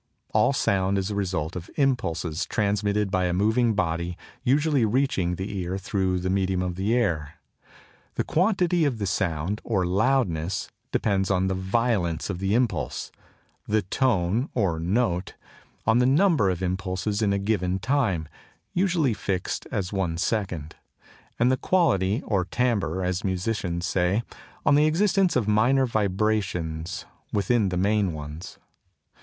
All sound is the result of impulses transmitted by a moving body usually reaching the ear through the medium of the air. The quantity of the sound, or loudness, depends on the violence of the impulse; the tone, or note, on the number of impulses in a given time (usually fixed as one second); and the quality, or timbre, as musicians say, on the existence of minor vibrations within the main ones.